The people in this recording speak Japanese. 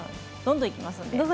どんどんいきますので。